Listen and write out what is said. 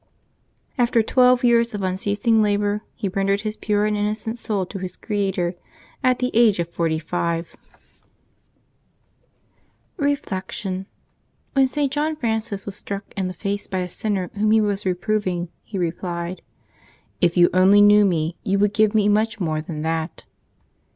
After twelve years of unceasing labor, he rendered his pure and innocent soul to his Creator, at the age of forty four. 220 LIVES OF THE SAINTS [June 17 Reflection. — When St. John Francis was struck in the face by a sinner whom he was reproving, he replied, " If yon only knew me, yon wonld give me much more than that."